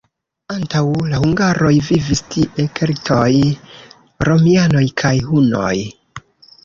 Antaŭ la hungaroj vivis tie keltoj, romianoj kaj hunoj.